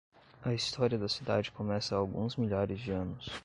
A história da cidade começa há alguns milhares de anos.